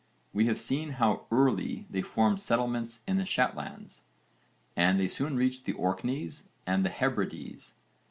We have seen how early they formed settlements in the Shetlands, and they soon reached the Orkneys and the Hebrides.